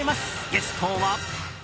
ゲストは。